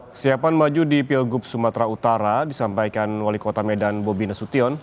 kesiapan maju di pilgub sumatera utara disampaikan wali kota medan bobi nasution